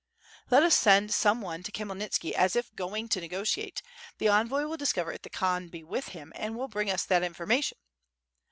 "Let us send sone one to Khmyelnitski as if going to nego tiate; the envoy will discover if the Khan be with him, and will bring us information."